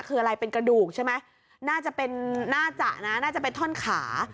คืออะไรเป็นกระดูกใช่ไหมน่าจะเป็นน่าจะนะน่าจะเป็นท่อนขา